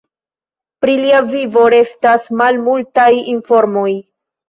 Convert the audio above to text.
Pri lia vivo restas malmultaj informoj.